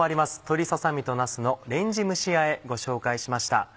「鶏ささ身となすのレンジ蒸しあえ」ご紹介しました。